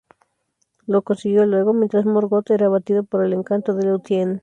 Lo consiguió luego, mientras Morgoth era abatido por el encanto de Lúthien.